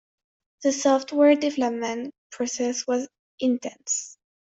The software development process was intense.